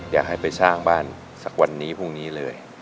อยากให้ไปสร้างบ้านสักวันนี้พรุ่งนี้เลย